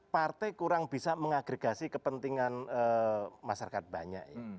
partai kurang bisa mengagregasi kepentingan masyarakat banyak ya